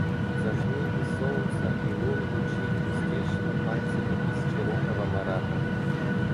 Зажми и солнца и лун лучи мстящими пальцами тысячерукого Марата!